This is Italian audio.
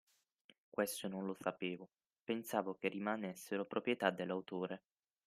Questo non lo sapevo, pensavo che rimanessero proprietà dell'autore.